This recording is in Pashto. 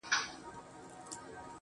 او دغسي نورو کسانو سره ور سره دي